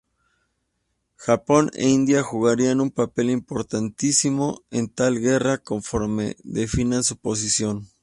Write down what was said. Japón e India jugarían un papel importantísimo en tal guerra conforme definan su posición.